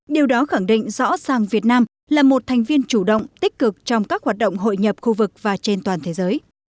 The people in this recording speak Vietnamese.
điều đó khẳng định rõ ràng việt nam là một thành viên chủ động tích cực trong các hoạt động hội nhập khu vực và trên toàn thế giới